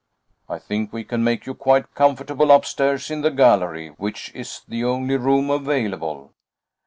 I think we can make you quite comfortable upstairs in the gallery, which is the only room available.